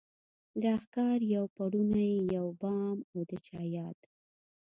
راښکاري يو پړونی په يو بام او د چا ياد